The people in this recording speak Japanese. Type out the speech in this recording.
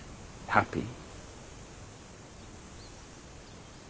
ハッピー？